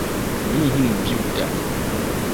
Merenhu no bio da.